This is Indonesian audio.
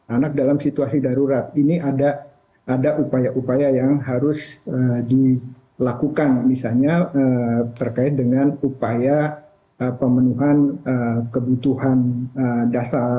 anak dalam situasi darurat ini ada upaya upaya yang harus dilakukan misalnya terkait dengan upaya pemenuhan kebutuhan dasar